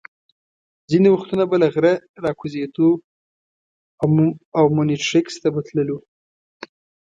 ځینې وختونه به له غره را کوزېدو او مونیټریکس ته به تللو.